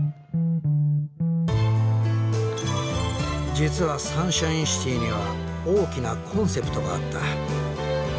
実はサンシャインシティには大きなコンセプトがあった。